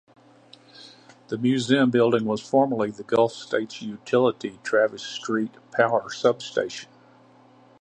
The museum building was formerly the Gulf States Utilities Travis Street Power Substation.